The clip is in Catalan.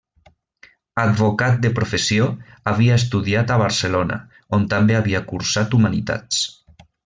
Advocat de professió, havia estudiat a Barcelona, on també havia cursat humanitats.